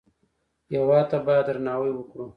هېواد ته باید درناوی وکړو